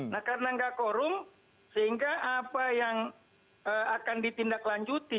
nah karena nggak korum sehingga apa yang akan ditindaklanjuti